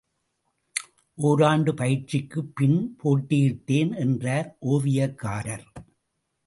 ஒராண்டுப் பயிற்சிக்குப் பின் போட்டியிட்டேன் என்றார் ஓவியக்காரர்.